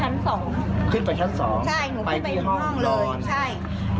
ชั้นสองขึ้นไปชั้นสองใช่หนูขึ้นไปห้องเลยใช่